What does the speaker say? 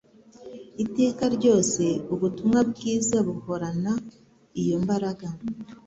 Iteka ryose Ubutumwa bwiza buhorana iyo mbaraga;